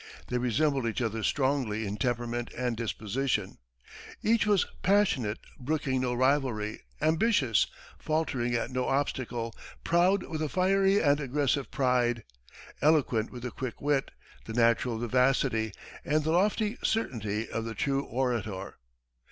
They resembled each other strongly in temperament and disposition; each was "passionate, brooking no rivalry; ambitious, faltering at no obstacle; proud with a fiery and aggressive pride; eloquent with the quick wit, the natural vivacity, and the lofty certainty of the true orator."